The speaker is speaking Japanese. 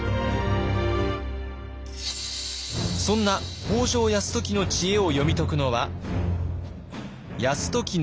そんな北条泰時の知恵を読み解くのは泰時の祖父